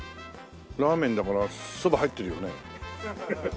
ラーメンだからそば入ってるよね？